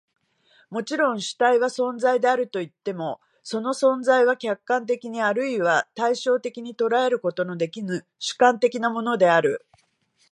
もちろん、主体は存在であるといっても、その存在は客観的に或いは対象的に捉えることのできぬ主観的なものである。